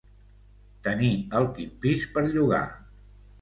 Tenir el quint pis per llogar.